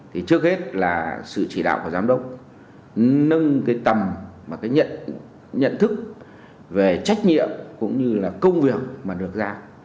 trước hết là sự chỉ đạo của giám đốc nâng tầm nhận thức về trách nhiệm cũng như công việc mà được ra